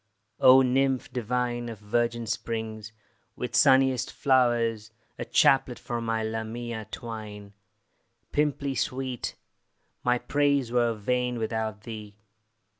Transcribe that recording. O, nymph divine Of virgin springs, with sunniest flowers A chaplet for my Lamia twine, Pimplea sweet! my praise were vain Without thee.